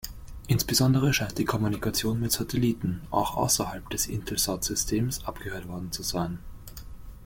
Insbesondere scheint die Kommunikation mit Satelliten, auch außerhalb des Intelsat-Systems, abgehört worden zu sein.